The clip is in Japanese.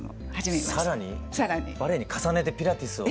更にバレエに重ねてピラティスを。